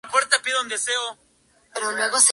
Pasajes más tarde, sin embargo, son mucho más explícitas.